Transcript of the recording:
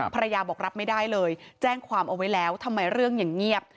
ภรรยาบอกรับไม่ได้เลยแจ้งความเอาไว้แล้วทำไมเรื่องอย่างเงียบ